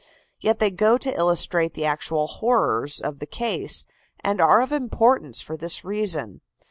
Yet they go to illustrate the actual horrors of the case, and are of importance for this reason.